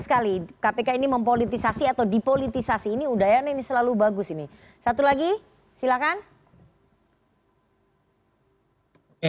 sekali kpk ini mempolitisasi atau dipolitisasi ini udayana ini selalu bagus ini satu lagi silakan ya